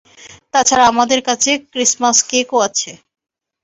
তাছাড়া আমাদের কাছে ক্রিসমাস কেক-ও আছে!